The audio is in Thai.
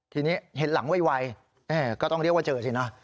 ทีนี้เห็นหลังไวก็ต้องเรียกว่าเจอสินะ